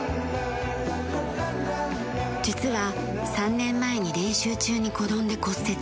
実は３年前に練習中に転んで骨折。